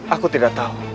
aku tidak tahu